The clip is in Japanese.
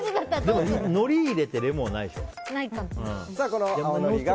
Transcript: でも、のり入れてレモンはないでしょ。